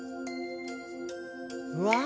うわ！